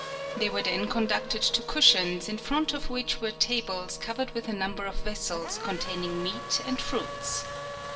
They were then conducted to cushions, in front of which were tables covered with a number of vessels containing meat and fruits.